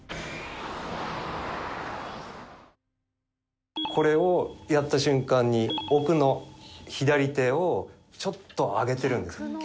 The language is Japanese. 船木：これをやった瞬間に奥の左手をちょっと上げてるんですよ。